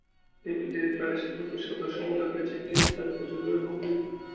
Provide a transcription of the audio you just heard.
Table tennis ফেডারেশনের নতুন সাধারণ সম্পাদক হয়েছেন টিটি তারকা জোবেরা রহমান লিনু।